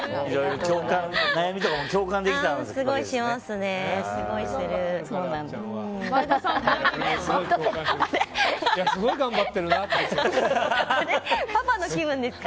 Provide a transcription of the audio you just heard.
悩みとかも共感できたわけですね。